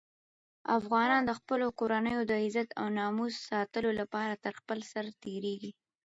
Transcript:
افغانان د خپلو کورنیو د عزت او ناموس ساتلو لپاره تر خپل سر تېرېږي.